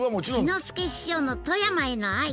志の輔師匠の富山への愛